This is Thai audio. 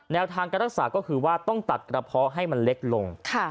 ทางการรักษาก็คือว่าต้องตัดกระเพาะให้มันเล็กลง